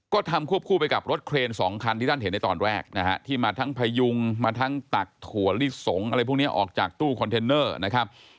ก็ทำควบคู่ไปกับรถเครนสองคันที่ท่านเห็นในตอนแรกนะฮะที่มาทั้งพยุงมาทั้งตักถั่วลิสงอะไรพวกนี้ออกจากตู้คอนเทนเนอร์นะครับ